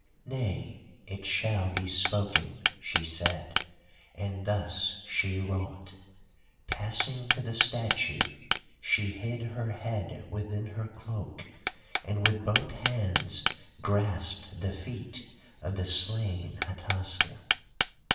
"'Nay, it shall be spoken,' she said—and thus she wrought. Passing to the statue she hid her head within her cloak and with both hands grasped the feet of the slain Hataska.